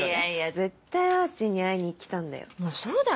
絶対あーちんに会いに来たんだよ。